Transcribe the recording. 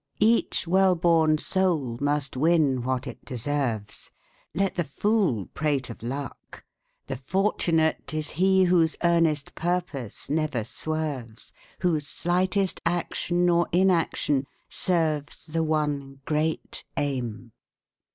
Each well born soul must win what it deserves. Let the fool prate of luck. The fortunate Is he whose earnest purpose never swerves, Whose slightest action or inaction serves The one great aim.